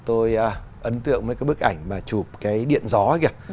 tôi ấn tượng mấy cái bức ảnh mà chụp cái điện gió kìa